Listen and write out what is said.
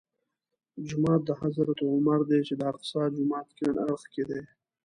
جومات د حضرت عمر دی چې د اقصی جومات کیڼ اړخ کې دی.